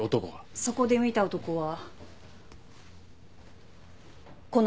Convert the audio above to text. そこで見た男はこの男ですか？